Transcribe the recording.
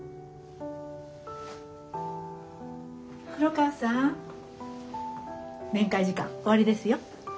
黒川さん面会時間終わりですよ。